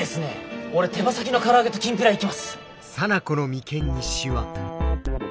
俺手羽先の唐揚げときんぴらいきます。